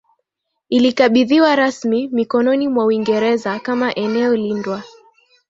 ilikabidhiwa rasmi mikononi mwa Uingereza kama eneo lindwa